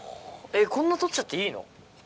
こんな採っちゃっていいの？